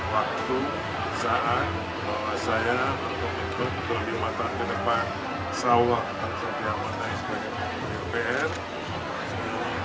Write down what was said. waktu saat bahwa saya memikirkan dua puluh lima tahun ke depan sawah untuk jawa tenggara